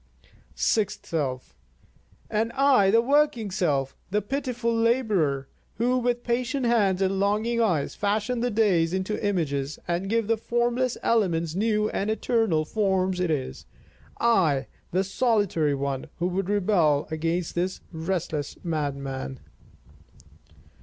Sixth Self: And I, the working self, the pitiful labourer, who, with patient hands, and longing eyes, fashion the days into images and give the formless elements new and eternal forms it is I, the solitary one, who would rebel against this restless madman.